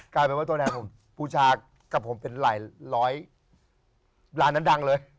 กลายเป็นว่าตัวแทนผมบูชากับผมเป็นหลายร้อยร้านนั้นดังเลย